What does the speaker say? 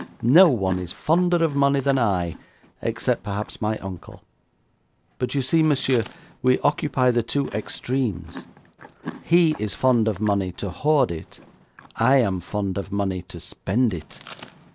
No one is fonder of money than I, except, perhaps, my uncle; but you see, monsieur, we occupy the two extremes. He is fond of money to hoard it; I am fond of money to spend it.